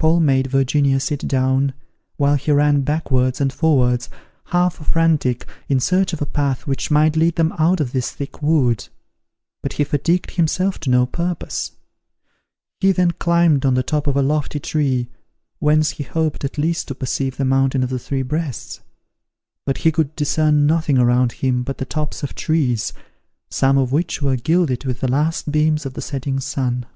Paul made Virginia sit down, while he ran backwards and forwards, half frantic, in search of a path which might lead them out of this thick wood; but he fatigued himself to no purpose. He then climbed to the top of a lofty tree, whence he hoped at least to perceive the mountain of the Three Breasts: but he could discern nothing around him but the tops of trees, some of which were gilded with the last beams of the setting sun.